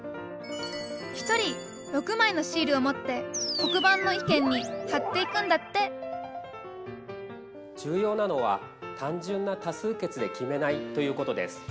１人６枚のシールを持って黒板の意見に貼っていくんだって重要なのは単純な多数決で決めないということです。